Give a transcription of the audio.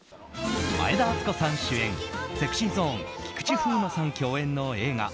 前田敦子さん主演ＳｅｘｙＺｏｎｅ菊池風磨さん共演の映画